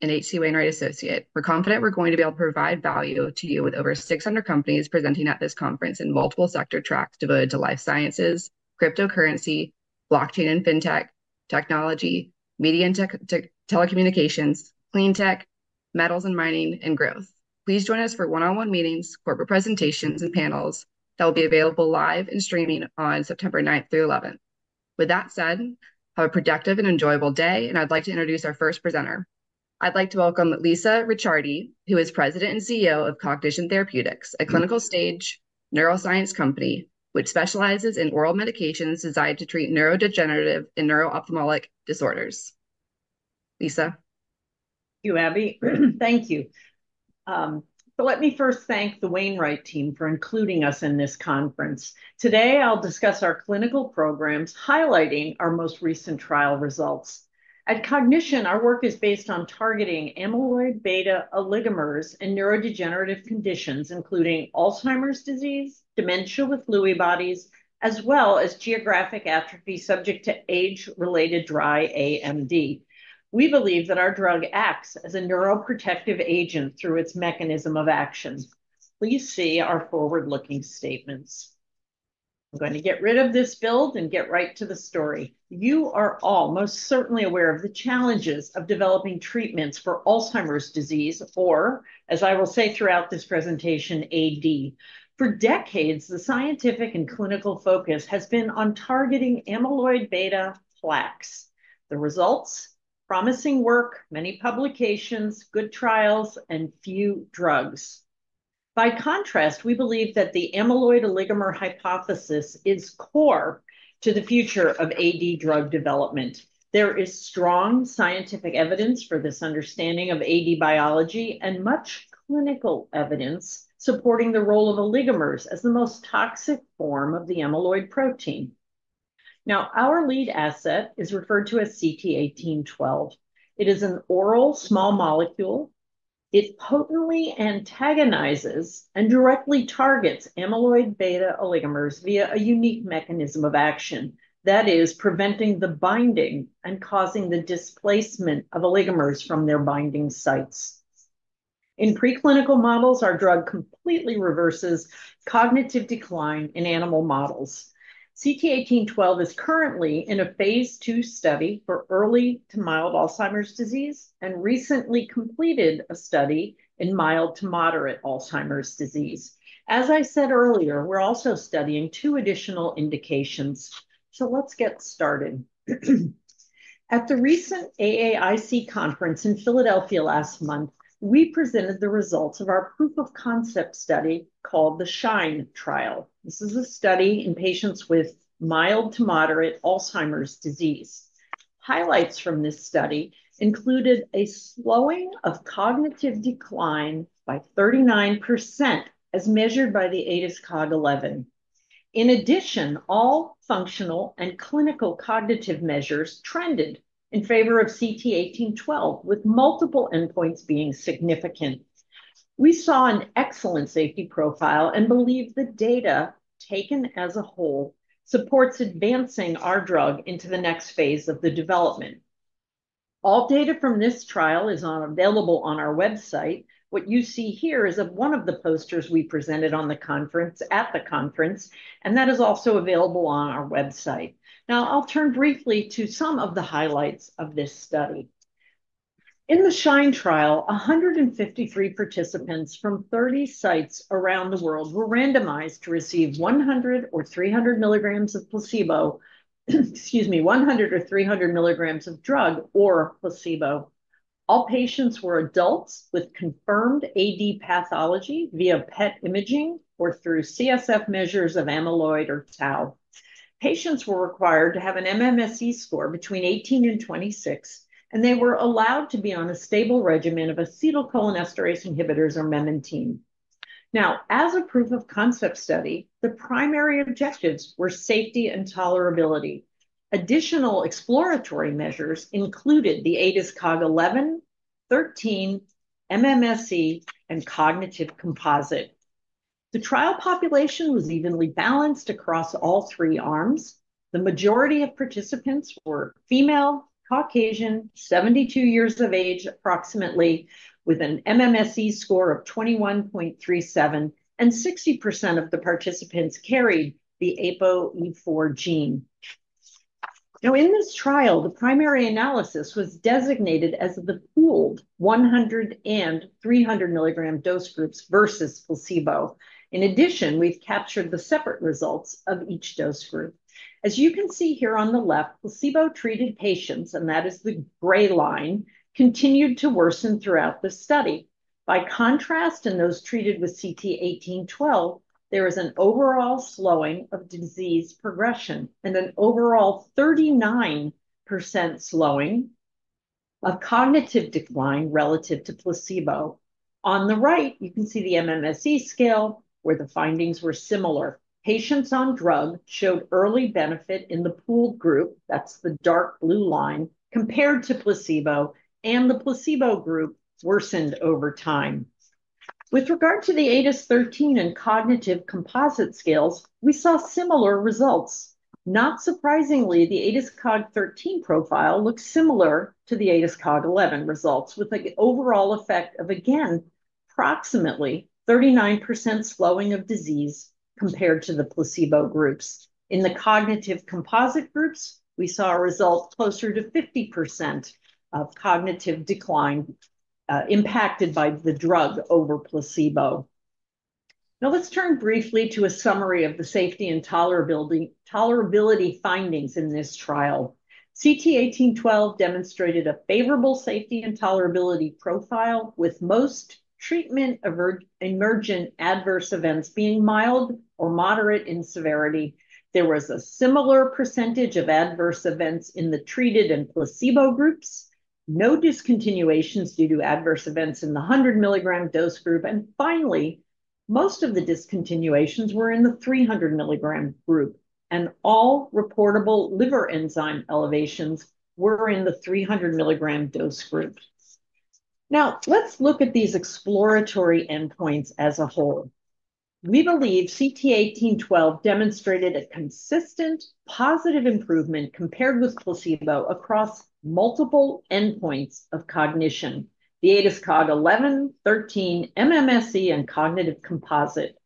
An H.C. Wainwright Associate. We're confident we're going to be able to provide value to you with over 600 companies presenting at this conference in multiple sector tracks dedicated to life sciences, cryptocurrency, blockchain, and fintech, technology, media, and telecommunications, clean tech, metals and mining, and growth. Please join us for one-on-one meetings, corporate presentations, and panels that will be available live and streaming on September ninth through eleventh. With that said, have a productive and enjoyable day, and I'd like to introduce our first presenter. I'd like to welcome Lisa Ricciardi, who is President and CEO of Cognition Therapeutics, a clinical-stage neuroscience company, which specializes in oral medications designed to treat neurodegenerative and neuro-ophthalmic disorders. Lisa? Thank you, Abby. Thank you. But let me first thank the Wainwright team for including us in this conference. Today, I'll discuss our clinical programs, highlighting our most recent trial results. At Cognition, our work is based on targeting amyloid beta oligomers and neurodegenerative conditions, including Alzheimer's disease, dementia with Lewy bodies, as well as geographic atrophy subject to age-related dry AMD. We believe that our drug acts as a neuroprotective agent through its mechanism of action. Please see our forward-looking statements. I'm going to get rid of this build and get right to the story. You are all most certainly aware of the challenges of developing treatments for Alzheimer's disease, or as I will say throughout this presentation, AD. For decades, the scientific and clinical focus has been on targeting amyloid beta plaques. The results? Promising work, many publications, good trials, and few drugs. By contrast, we believe that the amyloid oligomer hypothesis is core to the future of AD drug development. There is strong scientific evidence for this understanding of AD biology and much clinical evidence supporting the role of oligomers as the most toxic form of the amyloid protein. Now, our lead asset is referred to as CT-1812. It is an oral small molecule. It potently antagonizes and directly targets amyloid beta oligomers via a unique mechanism of action that is preventing the binding and causing the displacement of oligomers from their binding sites. In preclinical models, our drug completely reverses cognitive decline in animal models. CT-1812 is currently in a phase II study for early to mild Alzheimer's disease and recently completed a study in mild to moderate Alzheimer's disease. As I said earlier, we're also studying two additional indications. Let's get started. At the recent AAIC conference in Philadelphia last month, we presented the results of our proof of concept study called the SHINE Trial. This is a study in patients with mild to moderate Alzheimer's disease. Highlights from this study included a slowing of cognitive decline by 39%, as measured by the ADAS-Cog 11. In addition, all functional and clinical cognitive measures trended in favor of CT-1812, with multiple endpoints being significant. We saw an excellent safety profile and believe the data, taken as a whole, supports advancing our drug into the next phase of the development. All data from this trial is now available on our website. What you see here is one of the posters we presented at the conference, and that is also available on our website. Now, I'll turn briefly to some of the highlights of this study. In the SHINE trial, 153 participants from 30 sites around the world were randomized to receive 100 or 300 milligrams of placebo... Excuse me, 100 or 300 milligrams of drug or placebo. All patients were adults with confirmed AD pathology via PET imaging or through CSF measures of amyloid or tau. Patients were required to have an MMSE score between 18 and 26, and they were allowed to be on a stable regimen of acetylcholinesterase inhibitors or memantine. Now, as a proof of concept study, the primary objectives were safety and tolerability. Additional exploratory measures included the ADAS-Cog 11, 13, MMSE, and cognitive composite. The trial population was evenly balanced across all three arms. The majority of participants were female, Caucasian, seventy-two years of age, approximately, with an MMSE score of twenty-one point three seven, and 60% of the participants carried the APOE4 gene. Now, in this trial, the primary analysis was designated as the pooled one hundred and three hundred milligram dose groups versus placebo. In addition, we've captured the separate results of each dose group. As you can see here on the left, placebo-treated patients, and that is the gray line, continued to worsen throughout the study. By contrast, in those treated with CT-1812, there is an overall slowing of disease progression and an overall 39% slowing of cognitive decline relative to placebo. On the right, you can see the MMSE scale, where the findings were similar. Patients on drug showed early benefit in the pooled group, that's the dark blue line, compared to placebo, and the placebo group worsened over time. With regard to the ADAS-Cog13 and cognitive composite scales, we saw similar results. Not surprisingly, the ADAS-Cog13 profile looks similar to the ADAS-Cog11 results, with an overall effect of, again, approximately 39% slowing of disease compared to the placebo groups. In the cognitive composite groups, we saw a result closer to 50% of cognitive decline impacted by the drug over placebo. Now let's turn briefly to a summary of the safety and tolerability findings in this trial. CT-1812 demonstrated a favorable safety and tolerability profile, with most treatment emergent adverse events being mild or moderate in severity. There was a similar percentage of adverse events in the treated and placebo groups, no discontinuations due to adverse events in the 100-milligram dose group, and finally, most of the discontinuations were in the 300 milligram group, and all reportable liver enzyme elevations were in the 300 milligram group. Now, let's look at these exploratory endpoints as a whole. We believe CT-1812 demonstrated a consistent positive improvement compared with placebo across multiple endpoints of cognition, the ADAS-Cog11, 13, MMSE, and cognitive composite.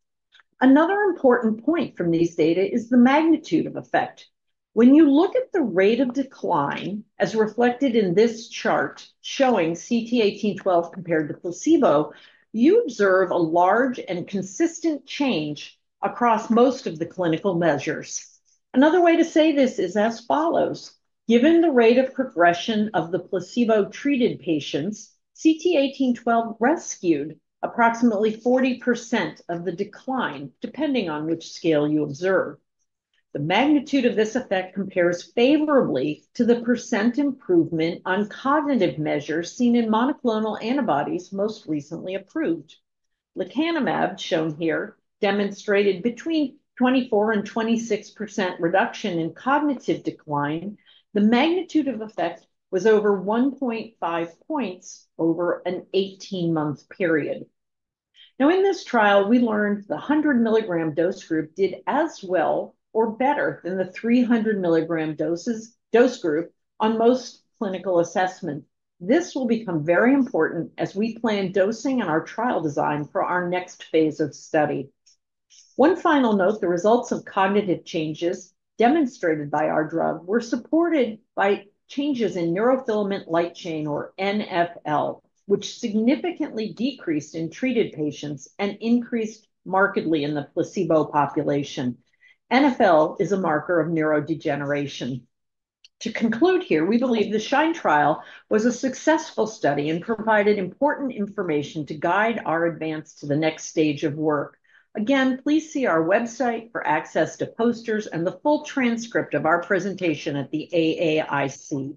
Another important point from these data is the magnitude of effect. When you look at the rate of decline, as reflected in this chart showing CT-1812 compared to placebo, you observe a large and consistent change across most of the clinical measures. Another way to say this is as follows: Given the rate of progression of the placebo-treated patients, CT-1812 rescued approximately 40% of the decline, depending on which scale you observe. The magnitude of this effect compares favorably to the percent improvement on cognitive measures seen in monoclonal antibodies most recently approved. Lecanemab, shown here, demonstrated between 24% and 26% reduction in cognitive decline. The magnitude of effect was over 1.5 points over an 18-month period. Now in this trial, we learned the 100-milligram dose group did as well or better than the 300-milligram dose group on most clinical assessment. This will become very important as we plan dosing and our trial design for our next phase of study. One final note, the results of cognitive changes demonstrated by our drug were supported by changes in neurofilament light chain, or NfL, which significantly decreased in treated patients and increased markedly in the placebo population. NfL is a marker of neurodegeneration. To conclude here, we believe the SHINE trial was a successful study and provided important information to guide our advance to the next stage of work. Again, please see our website for access to posters and the full transcript of our presentation at the AAIC.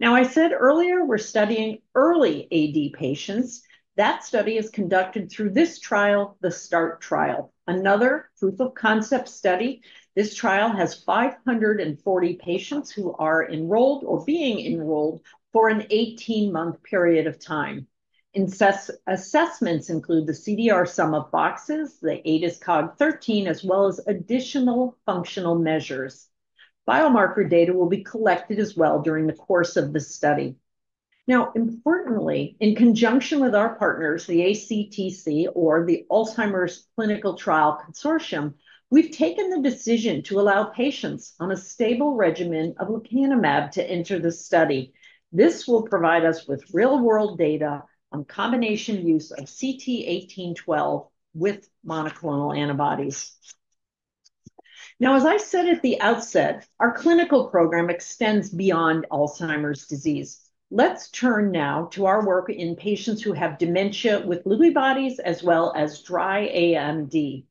Now, I said earlier, we're studying early AD patients. That study is conducted through this trial, the START trial, another proof of concept study. This trial has 540 patients who are enrolled or being enrolled for an 18-month period of time. Assessments include the CDR Sum of Boxes, the ADAS-Cog13, as well as additional functional measures. Biomarker data will be collected as well during the course of the study. Now, importantly, in conjunction with our partners, the ACTC or the Alzheimer's Clinical Trial Consortium, we've taken the decision to allow patients on a stable regimen of lecanemab to enter the study. This will provide us with real-world data on combination use of CT-1812 with monoclonal antibodies. Now, as I said at the outset, our clinical program extends beyond Alzheimer's disease. Let's turn now to our work in patients who have dementia with Lewy bodies as well as dry AMD.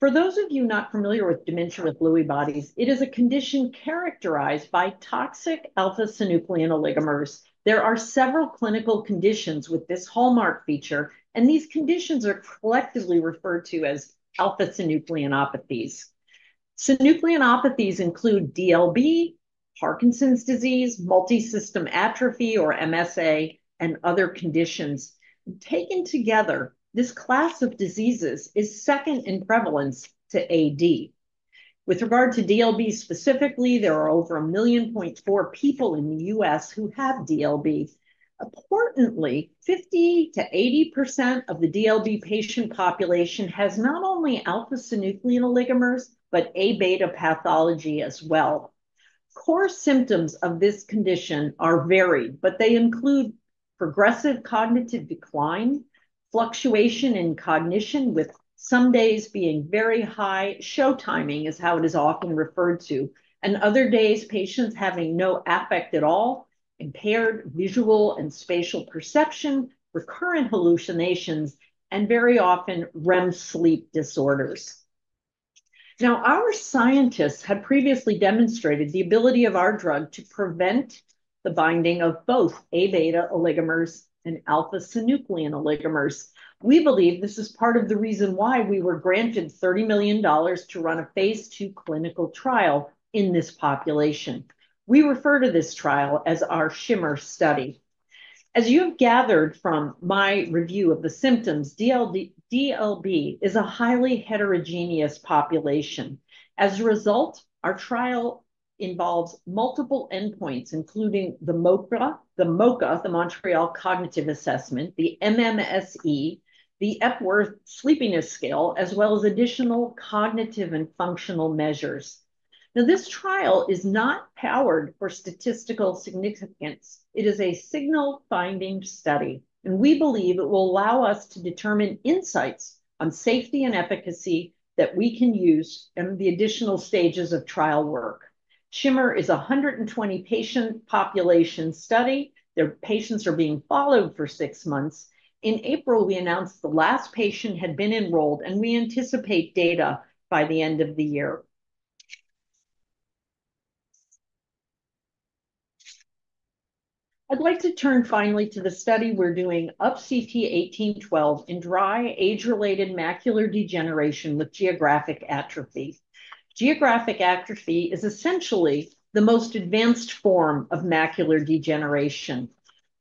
For those of you not familiar with dementia with Lewy bodies, it is a condition characterized by toxic alpha-synuclein oligomers. There are several clinical conditions with this hallmark feature, and these conditions are collectively referred to as alpha-synucleinopathies. Synucleinopathies include DLB, Parkinson's disease, multisystem atrophy, or MSA, and other conditions. Taken together, this class of diseases is second in prevalence to AD. With regard to DLB specifically, there are over 1.4 million people in the U.S. who have DLB. Importantly, 50% to 80% of the DLB patient population has not only alpha-synuclein oligomers, but A-beta pathology as well. Core symptoms of this condition are varied, but they include progressive cognitive decline, fluctuation in cognition, with some days being very high, show timing is how it is often referred to, and other days, patients having no affect at all, impaired visual and spatial perception, recurrent hallucinations, and very often, REM sleep disorders. Now, our scientists had previously demonstrated the ability of our drug to prevent the binding of both A-beta oligomers and alpha-synuclein oligomers. We believe this is part of the reason why we were granted $30 million to run a phase II clinical trial in this population. We refer to this trial as our SHIMMER study. As you have gathered from my review of the symptoms, DLB is a highly heterogeneous population. As a result, our trial involves multiple endpoints, including the MoCA, the MoCA, the Montreal Cognitive Assessment, the MMSE, the Epworth Sleepiness Scale, as well as additional cognitive and functional measures. Now, this trial is not powered for statistical significance. It is a signal-finding study, and we believe it will allow us to determine insights on safety and efficacy that we can use in the additional stages of trial work. SHIMMER is a 120-patient population study. The patients are being followed for six months. In April, we announced the last patient had been enrolled, and we anticipate data by the end of the year. I'd like to turn finally to the study we're doing of CT-1812 in dry age-related macular degeneration with geographic atrophy. Geographic atrophy is essentially the most advanced form of macular degeneration.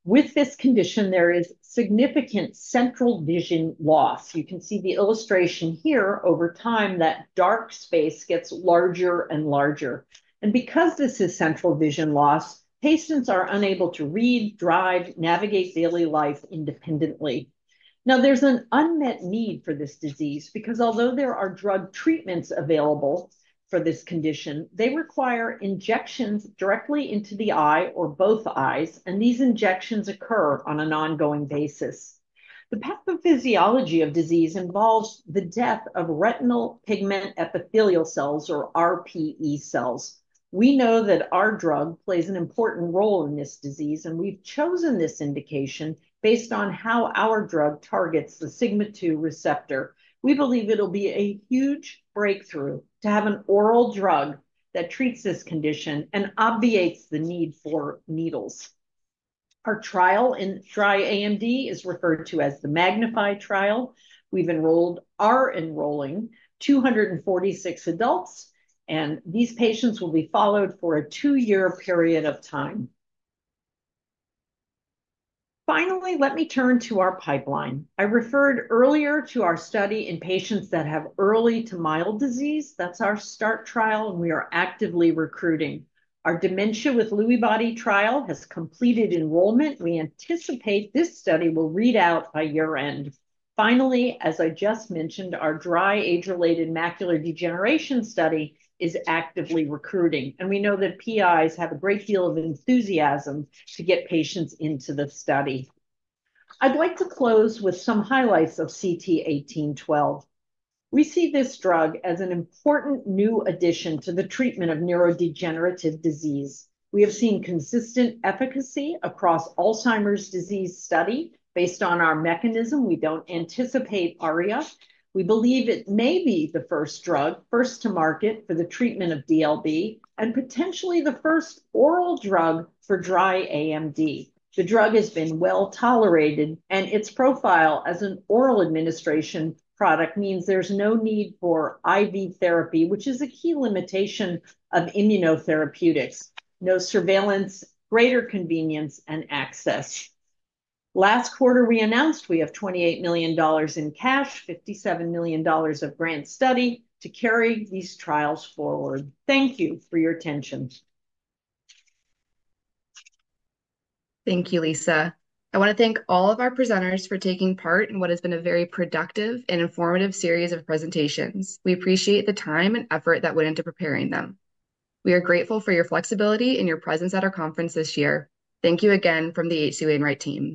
With this condition, there is significant central vision loss. You can see the illustration here. Over time, that dark space gets larger and larger, and because this is central vision loss, patients are unable to read, drive, navigate daily life independently. Now, there's an unmet need for this disease because although there are drug treatments available for this condition, they require injections directly into the eye or both eyes, and these injections occur on an ongoing basis. The pathophysiology of disease involves the death of retinal pigment epithelial cells, or RPE cells. We know that our drug plays an important role in this disease, and we've chosen this indication based on how our drug targets the sigma-2 receptor. We believe it'll be a huge breakthrough to have an oral drug that treats this condition and obviates the need for needles. Our trial in dry AMD is referred to as the MAGNIFY trial. We've enrolled... are enrolling 246 adults, and these patients will be followed for a two-year period of time. Finally, let me turn to our pipeline. I referred earlier to our study in patients that have early to mild disease. That's our START trial, and we are actively recruiting. Our dementia with Lewy bodies trial has completed enrollment. We anticipate this study will read out by year-end. Finally, as I just mentioned, our dry, age-related macular degeneration study is actively recruiting, and we know that PIs have a great deal of enthusiasm to get patients into the study. I'd like to close with some highlights of CT-1812. We see this drug as an important new addition to the treatment of neurodegenerative disease. We have seen consistent efficacy across Alzheimer's disease study. Based on our mechanism, we don't anticipate ARIA. We believe it may be the first drug, first to market for the treatment of DLB, and potentially the first oral drug for dry AMD. The drug has been well-tolerated, and its profile as an oral administration product means there's no need for IV therapy, which is a key limitation of immunotherapeutics. No surveillance, greater convenience, and access. Last quarter, we announced we have $28 million in cash, $57 million of grant study to carry these trials forward. Thank you for your attention. Thank you, Lisa. I wanna thank all of our presenters for taking part in what has been a very productive and informative series of presentations. We appreciate the time and effort that went into preparing them. We are grateful for your flexibility and your presence at our conference this year. Thank you again from the H.C. Wainwright team.